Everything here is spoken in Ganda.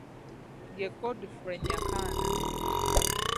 Ye Godfrey Nyakana.